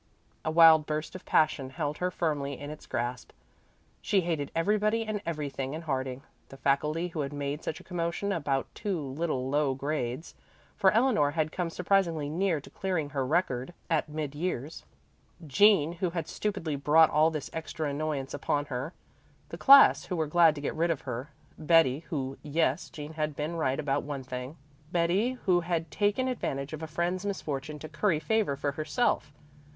A wild burst of passion held her firmly in its grasp. She hated everybody and everything in Harding the faculty who had made such a commotion about two little low grades for Eleanor had come surprisingly near to clearing her record at mid years, Jean, who had stupidly brought all this extra annoyance upon her; the class, who were glad to get rid of her, Betty, who yes, Jean had been right about one thing Betty, who had taken advantage of a friend's misfortune to curry favor for herself.